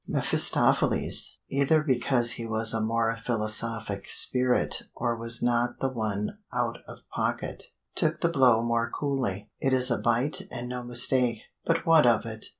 mephistopheles, either because he was a more philosophic spirit or was not the one out of pocket, took the blow more coolly. "It is a bite and no mistake. But what of it?